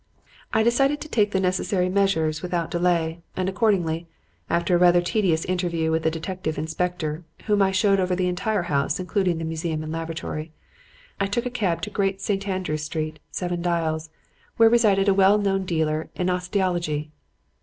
"I decided to take the necessary measures without delay, and accordingly, after a rather tedious interview with the detective inspector (whom I showed over the entire house, including the museum and laboratory), I took a cab to Great St. Andrew Street, Seven Dials, where resided a well known dealer in osteology.